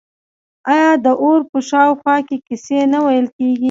آیا د اور په شاوخوا کې کیسې نه ویل کیږي؟